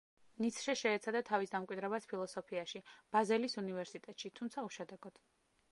ნიცშე შეეცადა თავის დამკვიდრებას ფილოსოფიაში, ბაზელის უნივერსიტეტში, თუმცა უშედეგოდ.